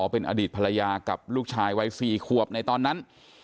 เป็นอดีตภรรยากับลูกชายวัย๔ขวบในตอนนั้น